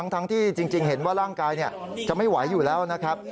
ทั้งที่จริงเห็นว่าร่างกายจะไม่ไหวอยู่แล้วนะครับ